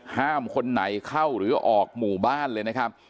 คนไหนเข้าหรือออกหมู่บ้านเลยนะครับ